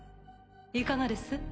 いかがです？